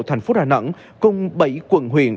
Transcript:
thành phố đà nẵng cùng bảy quận huyện